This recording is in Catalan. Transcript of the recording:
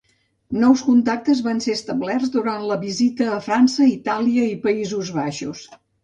Nous contactes van ser establerts durant la visita a França, Itàlia i Països Baixos.